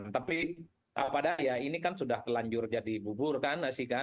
tapi padahal ya ini kan sudah telanjur jadi bubur kan